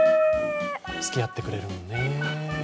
つきあってくれるんね。